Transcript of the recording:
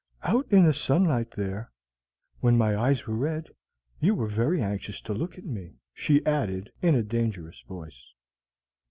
"Out in the sunlight there, when my eyes were red, you were very anxious to look at me," she added, in a dangerous voice.